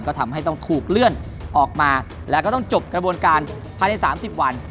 ก็ทำให้ต้องถูกเลื่อนออกมาแล้วก็ต้องจบกระบวนการภายใน๓๐วัน